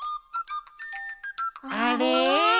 あれ？